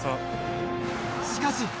しかし。